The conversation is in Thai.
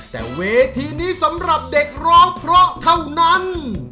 แต่เวทีนี้สำหรับเด็กร้องเพราะเท่านั้น